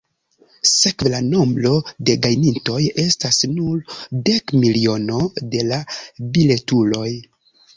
Sekve, la nombro de gajnintoj estas nur dekmilono de la biletuloj!